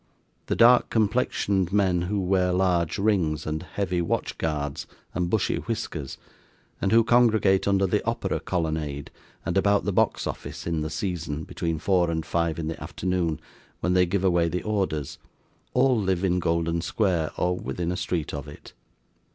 The dark complexioned men who wear large rings, and heavy watch guards, and bushy whiskers, and who congregate under the Opera Colonnade, and about the box office in the season, between four and five in the afternoon, when they give away the orders, all live in Golden Square, or within a street of it.